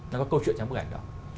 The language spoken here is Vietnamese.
nó có câu chuyện trong bức ảnh đó